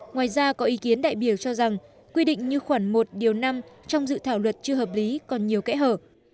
ngoài ra có ý kiến đại biểu cho rằng quy định như khoảng một điều năm trong dự thảo luật chưa hợp lý còn nhiều kẽ hở